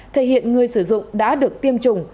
thể hiện người sử dụng đã được tiêm chủng